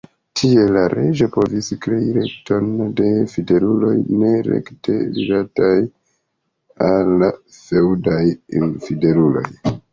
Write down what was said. Tiel la reĝo povis krei reton de fideluloj ne rekte ligitaj al feŭdaj fideluloj.